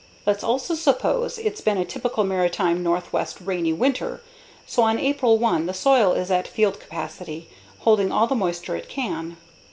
Let's also suppose it's been a typical maritime Northwest rainy winter, so on April 1 the soil is at field capacity, holding all the moisture it can.